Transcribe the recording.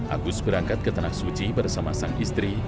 agus berangkat ke tanah suci bersama sang istri